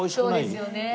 そうですよね。